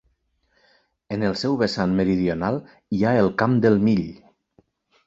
En el seu vessant meridional hi ha el Camp del Mill.